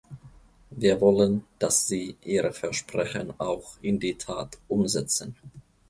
Wir wollen, dass sie ihre Versprechen auch in die Tat umsetzen.